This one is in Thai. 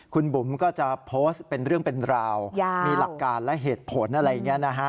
คุณบุ๋มก็จะโพสต์เป็นเรื่องเป็นราวมีหลักการและเหตุผลอะไรอย่างนี้นะฮะ